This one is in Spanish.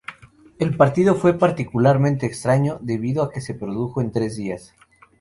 El partido fue particularmente extraño debido a que se produjo en tres días.